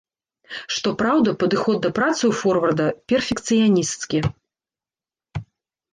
Што праўда, падыход да працы ў форварда перфекцыянісцкі.